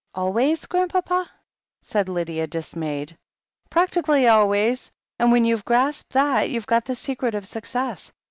'Always, Grandpapa?" said Lydia, dismayed. 'Practically always, and when you've grasped that, you've got the secret of success.